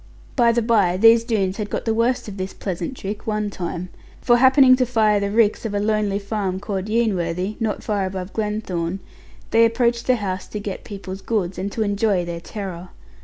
By the bye, these Doones had got the worst of this pleasant trick one time. For happening to fire the ricks of a lonely farm called Yeanworthy, not far above Glenthorne, they approached the house to get people's goods, and to enjoy their terror.